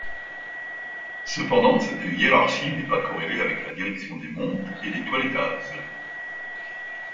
Cependant cette hiérarchie n'est pas corrélée avec la direction des montes et des toilettages.